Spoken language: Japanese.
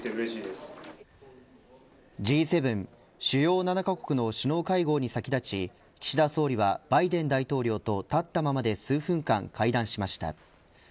Ｇ７主要７カ国の首脳会合に先立ち岸田総理はバイデン大統領と立ったままで数分間会談しました。